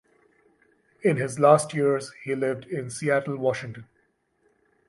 In his last years he lived in Seattle, Washington.